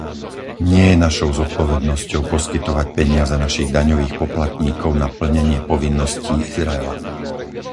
Nie je našou zodpovednosťou poskytovať peniaze našich daňových poplatníkov na plnenie povinností Izraela.